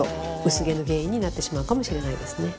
薄毛の原因になってしまうかもしれないですね。